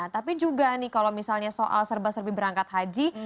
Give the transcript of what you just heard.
tapi juga nih kalau misalnya soal serba serbi berangkat haji